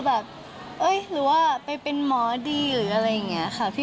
ถ้าเกิดว่าพี่เขาแบบเครียดอย่างนี้